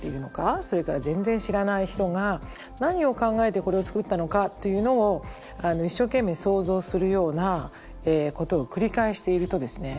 それから全然知らない人が何を考えてこれを作ったのかっていうのを一生懸命想像するようなことを繰り返しているとですね